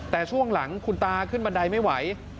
แต่ช่วงหลังคุณตาขึ้นบันไดไม่ไหว